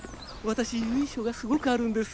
私由緒がすごくあるんです。